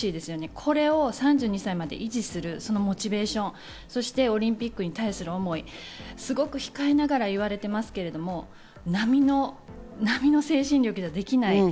これを３２歳まで維持するそのモチベーション、そしてオリンピックに対する思い、すごく控えながら言われていますけど、並みの精神力ではできない。